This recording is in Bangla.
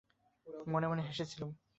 মনে মনে হেসেছিলুম।